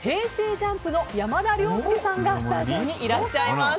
ＪＵＭＰの山田涼介さんがスタジオにいらっしゃいます。